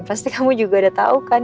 pasti kamu juga udah tau kan